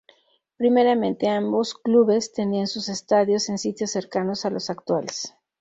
Primeramente, ambos clubes tenían sus estadios en sitios cercanos a los actuales.